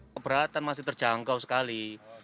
keberatan masih terjangkau sekali